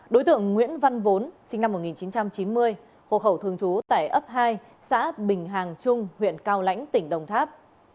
đối tượng nguyễn văn vốn sinh năm một nghìn chín trăm chín mươi hộ khẩu thường trú tại ấp hai xã bình hàng trung huyện cao lãnh tỉnh đồng tháp